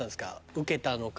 ウケたのか。